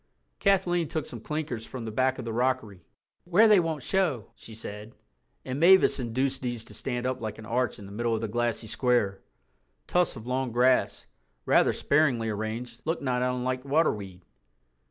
Kathleen took some clinkers from the back of the rockery—"where they won't show," she said—and Mavis induced these to stand up like an arch in the middle of the glassy square. Tufts of long grass, rather sparingly arranged, looked not unlike waterweed.